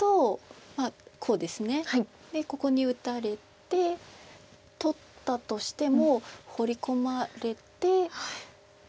でここに打たれて取ったとしてもホウリ込まれて。